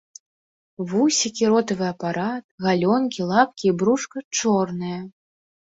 Вусікі, ротавы апарат, галёнкі, лапкі і брушка чорныя.